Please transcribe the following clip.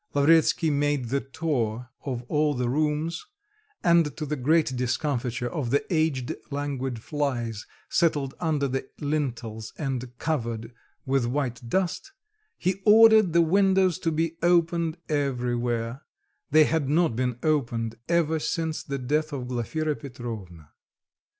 Lavretsky made the tour of all the rooms, and to the great discomfiture of the aged languid flies, settled under the lintels and covered with white dust, he ordered the windows to be opened everywhere; they had not been opened ever since the death of Glafira Petrovna.